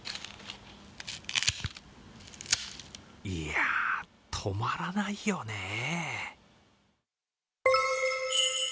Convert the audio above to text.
いや、止まらないよね。